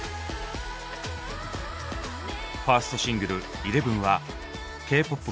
ファーストシングル「ＥＬＥＶＥＮ」はＫーＰＯＰ